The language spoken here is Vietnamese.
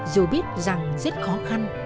dù biết rằng rất khó khăn